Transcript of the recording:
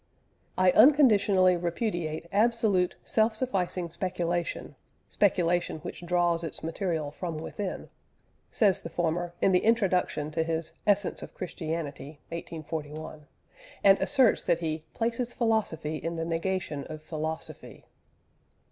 "I unconditionally repudiate absolute, self sufficing speculation speculation which draws its material from within," says the former, in the Introduction to his Essence of Christianity (1841) and asserts that he "places philosophy in the negation of philosophy."